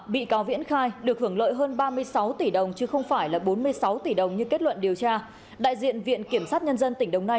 bị cáo viễn đã thu lợi hơn bốn mươi sáu tỷ đồng còn hữu thu lợi hơn một trăm năm mươi sáu tỷ đồng